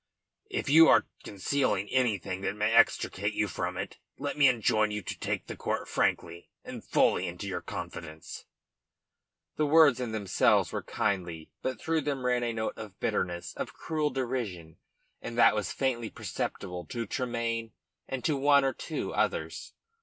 If you are concealing anything that may extricate you from it, let me enjoin you to take the court frankly and fully into your confidence." The words in themselves were kindly, but through them ran a note of bitterness, of cruel derision, that was faintly perceptible to Tremayne and to one or two others.